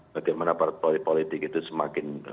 bagaimana partai politik itu semakin